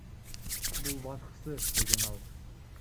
Бул башкысы, — деген ал.